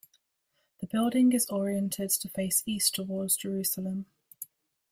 The building is oriented to face east toward Jerusalem.